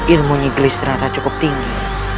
ilmu nyiglis ternyata cukup tinggi